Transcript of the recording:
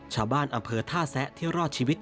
ชาวบ้านอำเภอท่าแซะที่รอดชีวิต